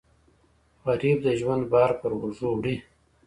غریب د ژوند بار پر اوږو وړي